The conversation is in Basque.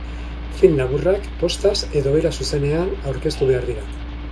Film laburrak postaz edo era zuzenean aurkeztu behar dira.